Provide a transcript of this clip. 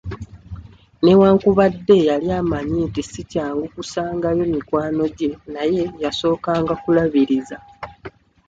Newankubadde yali amanyi nti sikyangu kusangayo mikwano gye naye yasookanga kulabiriza